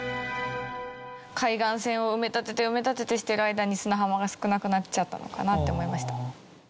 海岸線を埋め立てて埋め立ててしてる間に砂浜が少なくなっちゃったのかなって思いました。